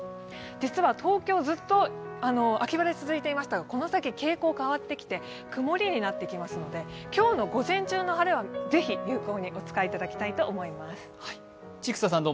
実は東京、ずっと秋晴れ続いていましたがこの先傾向変わってきて曇りになってきますので今日の午前中の晴れはぜひ有効にお使いいただきたいと思います。